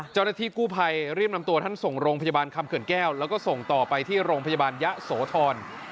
เจ้าหน้าที่กู้ภัยรีบนำตัวท่านส่งโรงพยาบาลคำเขื่อนแก้วแล้วก็ส่งต่อไปที่โรงพยาบาลยะโสธร